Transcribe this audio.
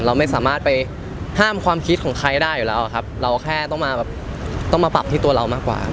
เราไม่สามารถไปห้ามความคิดของใครได้อยู่แล้วอะครับเราแค่ต้องมาแบบต้องมาปรับที่ตัวเรามากกว่า